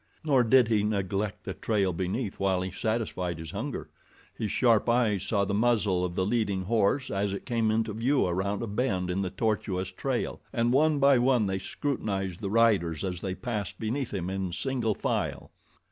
Nor did he neglect the trail beneath while he satisfied his hunger. His sharp eyes saw the muzzle of the leading horse as it came into view around a bend in the tortuous trail, and one by one they scrutinized the riders as they passed beneath him in single file.